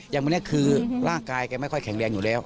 อย่างวันนี้คือร่างกายแกไม่ค่อยแข็งแรงอยู่แล้ว